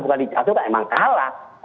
bukan dijatuhkan emang kalah